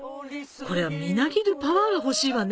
これはみなぎるパワーが欲しいわね